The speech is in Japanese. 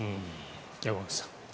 山口さん。